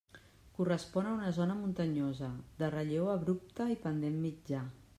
Correspon a una zona muntanyosa, de relleu abrupte i pendent mitjà.